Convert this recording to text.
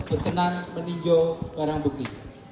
berkenan meninjau barang bukti